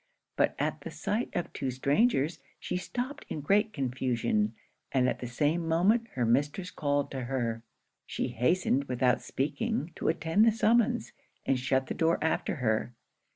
But at the sight of two strangers, she stopped in great confusion; and at the same moment her mistress called to her. She hastened, without speaking, to attend the summons; and shut the door after her.